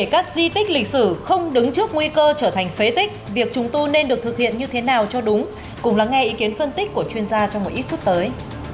cùng lắng nghe ý kiến phân tích của chuyên gia trong một ít phút tới